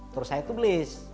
terus saya tulis